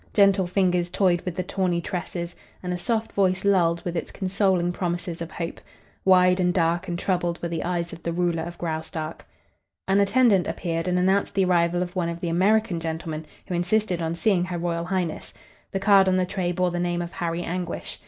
Gentle fingers toyed with the tawny tresses, and a soft voice lulled with its consoling promises of hope. Wide and dark and troubled were the eyes of the ruler of Graustark. An attendant appeared and announced the arrival of one of the American gentlemen, who insisted on seeing Her Royal Highness. The card on the tray bore the name of Harry Anguish.